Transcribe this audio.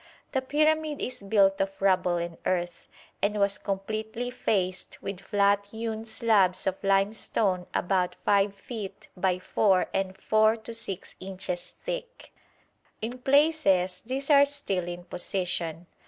The pyramid is built of rubble and earth, and was completely faced with flat hewn slabs of limestone about 5 feet by 4 and 4 to 6 inches thick. In places these are still in position.